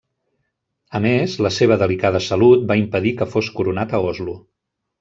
A més, la seva delicada salut va impedir que fos coronat a Oslo.